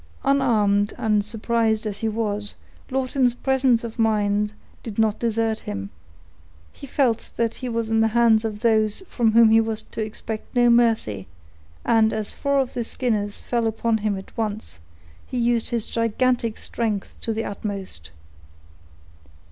Unarmed, and surprised as he was, Lawton's presence of mind did not desert him; he felt that he was in the hands of those from whom he was to expect no mercy; and, as four of the Skinners fell upon him at once, he used his gigantic strength to the utmost.